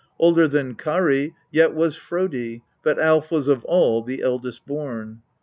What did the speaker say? Older than Karl yet was Prodi, but Alf was of all the eldest born.